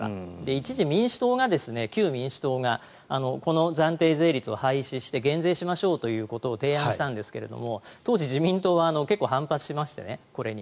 一時、旧民主党がこの暫定税率を廃止して減税しましょうと提案したんですが当時、自民党は結構反発しましてこれに。